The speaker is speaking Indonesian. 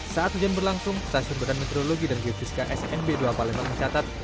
saat hujan berlangsung stasiun badan meteorologi dan geofisika smb dua palembang mencatat